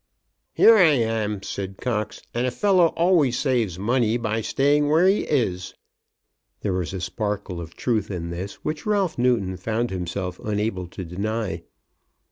"Here I am," said Cox, "and a fellow always saves money by staying where he is." There was a sparkle of truth in this which Ralph Newton found himself unable to deny.